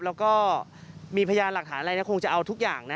แล้วก็มีพยานหลักฐานอะไรนะคงจะเอาทุกอย่างนะ